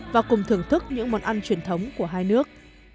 và cùng thưởng thức những món ăn truyền thống của hai nước